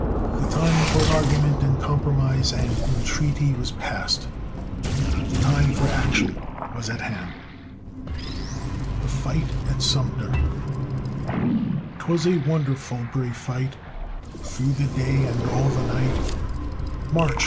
The time for argument and compromise and entreaty was past. The time for action was at hand. THE FIGHT AT SUMTER 'Twas a wonderful brave fight! Through the day and all night, March!